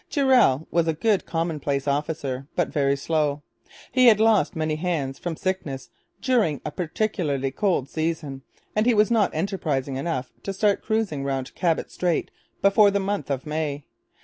Durell was a good commonplace officer, but very slow. He had lost many hands from sickness during a particularly cold season, and he was not enterprising enough to start cruising round Cabot Strait before the month of May.